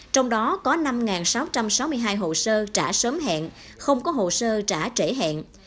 trong đó có năm sáu trăm sáu mươi hai hồ sơ trả sớm hẹn không có hồ sơ trả trễ hẹn